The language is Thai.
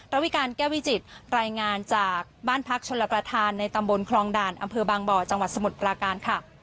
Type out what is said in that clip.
ระวิการแก้วิจิตรายงานจากบ้านพักชนระประธานในตำบลคลองด่านอำเภอบางบ่อจังหวัดสมุทรปราการค่ะ